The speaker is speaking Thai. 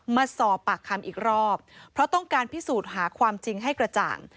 มาสอบปากคำอีกรอบเพราะต้องการพิสูจน์หาความจริงให้กระจ่าง